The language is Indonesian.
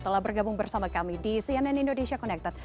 telah bergabung bersama kami di cnn indonesia connected